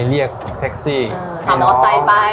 ก็เลยมาคุยกันเหรอคะ